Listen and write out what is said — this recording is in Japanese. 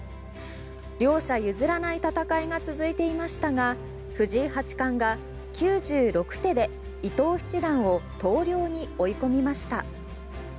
両者譲らない戦いが続いていましたが藤井八冠が９６手で伊藤七段を投了に追い込みました。